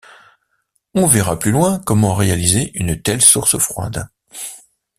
On verra plus loin comment réaliser une telle source froide.